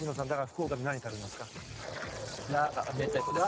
福岡で何食べますか？